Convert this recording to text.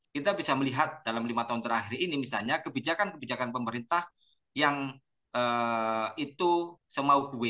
kita bisa melihat dalam lima tahun terakhir ini misalnya kebijakan kebijakan pemerintah yang itu semaukwe